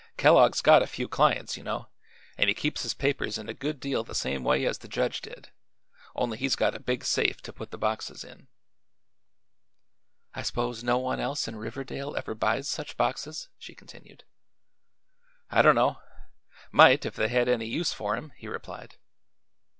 "Kellogg's got a few clients, you know, and he keeps his papers in a good deal the same way as the judge did only he's got a big safe to put the boxes in." "I suppose no one else in Riverdale ever buys such boxes?" she continued. "I don't know. Might, if they had any use for 'em," he replied.